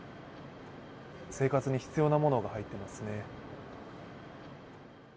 生活に必要なものが入ってますね。